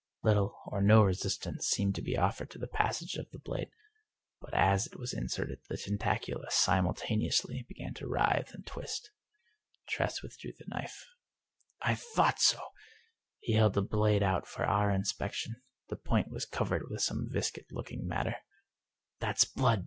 Little or no resistance seemed to be offered to the passage of the blade, but as it was inserted the tentacula simultaneously began to writhe and twist. Tress withdrew the knife. " I thought so !" He held the blade out for our inspec tion. The point was covered with some viscid looking mat ter. " That's blood